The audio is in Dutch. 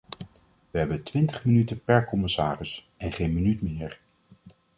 We hebben twintig minuten per commissaris, en geen minuut meer.